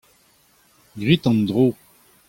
Grit an dro.